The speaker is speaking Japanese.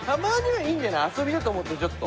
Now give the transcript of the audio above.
遊びだと思ってちょっと。